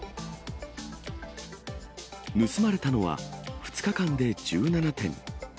盗まれたのは、２日間で１７点。